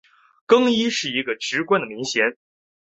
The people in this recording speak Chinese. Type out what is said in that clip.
更衣是一个职官的名衔。